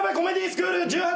スクール１８